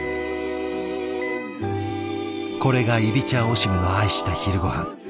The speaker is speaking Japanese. これがイビチャ・オシムの愛した昼ごはん。